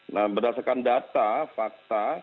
nah berdasarkan data fakta